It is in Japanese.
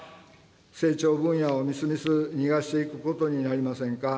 成長分野をみすみす逃がしていくことになりませんか。